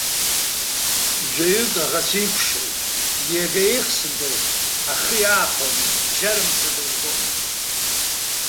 Жәаҩуаак аӷацәа икәшеит, иага еихсындаз, ахы иаахомызт, бџьармца дазгомызт.